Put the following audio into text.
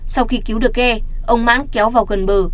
sau khi cứu được ghe ông mãn kéo vào gần bờ